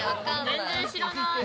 全然知らない。